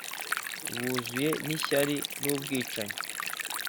buzuye n’ishyari n’ubwicanyi